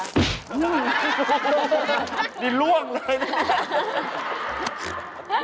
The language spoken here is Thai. นี่ล่วงเลย